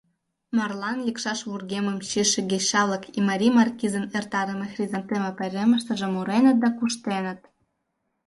Марлан лекшаш вургемым чийыше гейша-влак Иммари маркизын эртарыме хризантеме пайремыштыже муреныт да куштеныт.